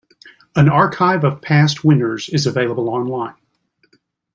An archive of past winners is available online.